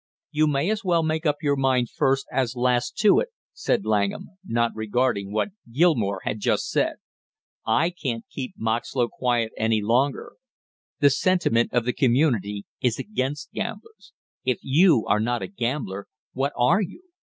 "You may as well make up your mind first as last to it," said Langham, not regarding what Gilmore had just said. "I can't keep Moxlow quiet any longer; the sentiment of the community is against gamblers. If you are not a gambler, what are you?"